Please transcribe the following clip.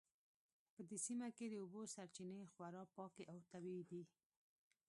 په دې سیمه کې د اوبو سرچینې خورا پاکې او طبیعي دي